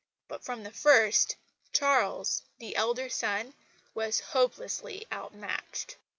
But from the first, Charles, the elder son, was hopelessly outmatched.